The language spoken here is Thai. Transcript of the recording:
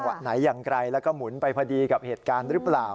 ไหนอย่างไกลแล้วก็หมุนไปพอดีกับเหตุการณ์หรือเปล่า